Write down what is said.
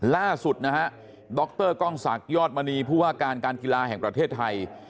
ล่าสุดนะฮะดรกล้องศักดิยอดมณีผู้ว่าการการกีฬาแห่งประเทศไทย